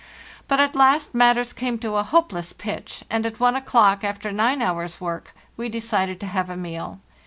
But at last matters came to a hopeless pitch, and at 1 o'clock, after nine hours' work, we decided to have a meal.